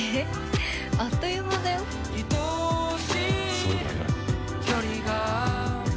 そうだね。